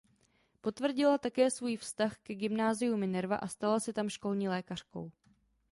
Potvrdila také svůj vztah ke gymnáziu Minerva a stala se tam školní lékařkou.